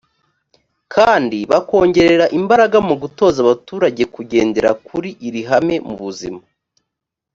kandi bakongera imbaraga mu gutoza abaturage kugendera kuri iri hame mu buzima